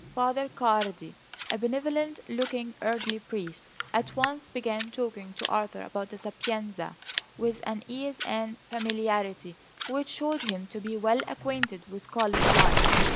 Father Cardi, a benevolent looking elderly priest, at once began talking to Arthur about the Sapienza, with an ease and familiarity which showed him to be well acquainted with college life.